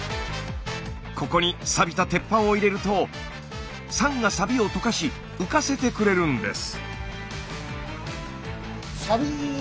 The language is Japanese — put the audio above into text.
ここにサビた鉄板を入れると酸がサビを溶かし浮かせてくれるんです。